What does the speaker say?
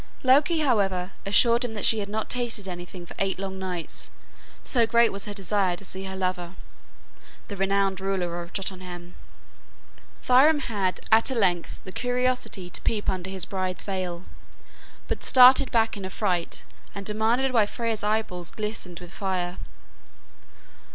Loki, however, assured him that she had not tasted anything for eight long nights, so great was her desire to see her lover, the renowned ruler of Jotunheim. Thrym had at length the curiosity to peep under his bride's veil, but started back in affright and demanded why Freya's eyeballs glistened with fire.